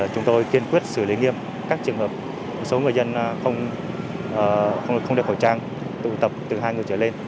chúng tôi kiên quyết xử lý nghiêm các trường hợp số người dân không đeo khẩu trang tụ tập từ hai người trở lên